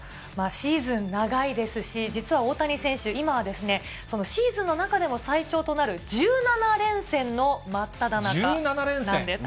シーズン長いですし、実は大谷選手、今は、そのシーズンの中でも最長となる１７連戦の真っただ中なんです。